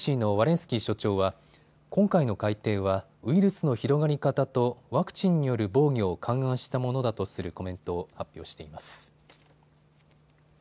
スキー所長は今回の改定はウイルスの広がり方とワクチンによる防御を勘案したものだとするコメントを発表しています。